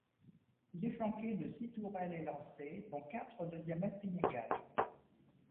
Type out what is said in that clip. Il est flanqué de six tourelles élancées dont quatre de diamètre inégal.